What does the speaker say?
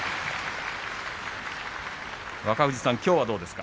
若藤さん、きょうはどうですか。